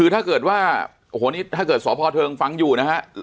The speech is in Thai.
ถ้าเกิดสว์พอร์เทิงฟังอยู่นะฮะ